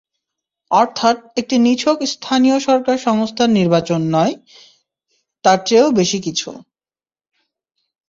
অর্থাৎ এটি নিছক স্থানীয় সরকার সংস্থার নির্বাচন নয়, তার চেয়েও কিছু বেশি।